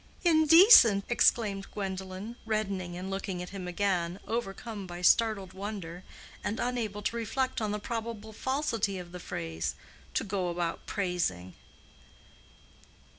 "Indecent!" exclaimed Gwendolen, reddening and looking at him again, overcome by startled wonder, and unable to reflect on the probable falsity of the phrase—"to go about praising."